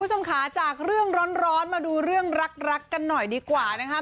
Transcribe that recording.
คุณผู้ชมค่ะจากเรื่องร้อนมาดูเรื่องรักกันหน่อยดีกว่านะคะ